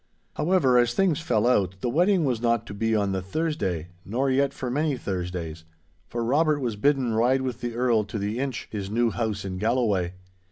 However, as things fell out, the wedding was not to be on the Thursday, nor yet for many Thursdays, for Robert was bidden ride with the Earl to the Inch, his new house in Galloway.